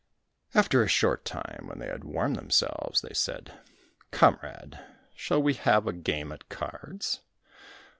After a short time, when they had warmed themselves, they said, "Comrade, shall we have a game at cards?"